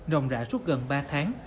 rồng rã suốt gần ba tháng